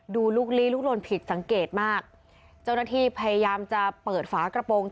ดูลูกลีลุกลนผิดสังเกตมากเจ้าหน้าที่พยายามจะเปิดฝากระโปรง